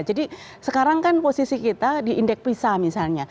jadi sekarang kan posisi kita di indeks pisa misalnya